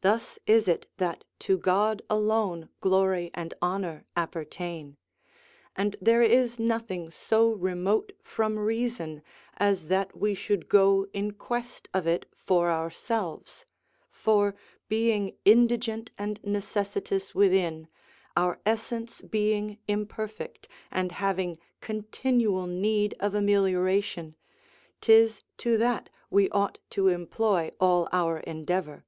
Thus is it that to God alone glory and honour appertain; and there is nothing so remote from reason as that we should go in quest of it for ourselves; for, being indigent and necessitous within, our essence being imperfect, and having continual need of amelioration, 'tis to that we ought to employ all our endeavour.